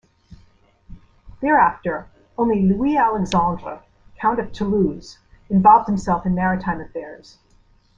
Thereafter, only Louis Alexandre, Count of Toulouse involved himself in maritime affairs.